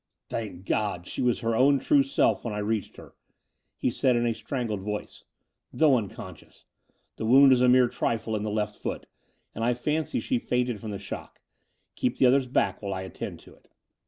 '* Thank God, she was her own true self when I reached her," he said in a strangled voice, '* though unconscious. The wound is a mere trifle in the left foot: and I fancy she fainted from the shock. Keep the others back while I attend to it."